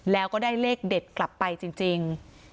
แล้วก็ได้เลขเด็ดกลับไปจริง